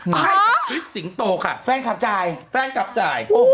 ให้กับคลิปสิงโตค่ะแฟนคลับจ่ายโอ้โห